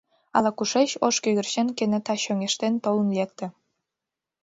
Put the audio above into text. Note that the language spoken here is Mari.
Ала-кушеч ош кӧгӧрчен кенета чоҥештен толын лекте.